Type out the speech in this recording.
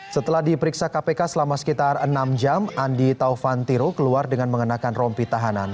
setelah diperiksa kpk selama sekitar enam jam andi taufantiro keluar dengan mengenakan rompi tahanan